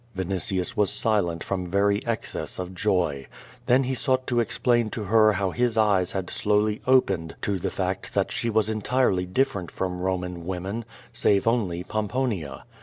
Vinitius was silent from very excess of joy. Then he sought to explain to her how his eyes had slowly opened to the fact that she was entirely different from Roman women, save only Pomponia.